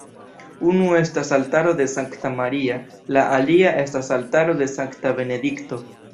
Unu estas altaro de Sankta Maria, la alia estas altaro de Sankta Benedikto.